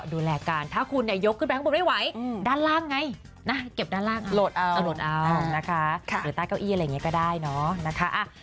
โหลดเอานะคะเดี๋ยวตั้งเก้าอี้อะไรแบบนี้ก็ได้นะคะ